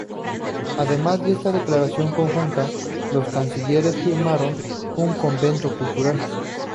Además de esta declaración conjunta, los cancilleres firmaron un convenio cultural.